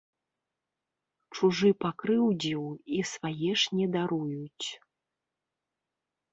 Чужы пакрыўдзіў і свае ж не даруюць.